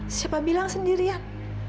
sendirian siapa bilang sendirian